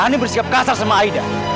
ada urusan apa padahal sama aida